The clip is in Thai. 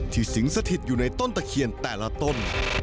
สิงสถิตอยู่ในต้นตะเคียนแต่ละต้น